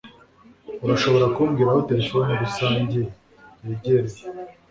urashobora kumbwira aho terefone rusange yegereye